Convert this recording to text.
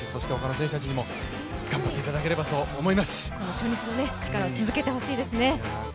初日のチカラを続けてほしいですね。